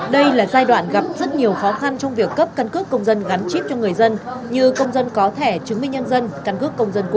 đây là giai đoạn gặp rất nhiều khó khăn trong việc cấp căn cước công dân gắn chip cho người dân như công dân có thẻ chứng minh nhân dân căn cước công dân của